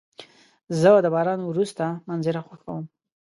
زه د باران وروسته منظره خوښوم.